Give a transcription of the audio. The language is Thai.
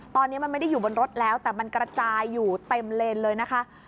ตอนนี้มันไม่ได้อยู่บนรถแล้วแต่มันกระจายอยู่เต็มเลนเลยนะคะ